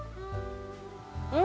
うん。